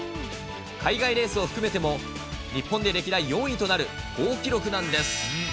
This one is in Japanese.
海外レースを含めても、日本で歴代４位となる好記録なんです。